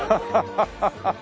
ハハハハ。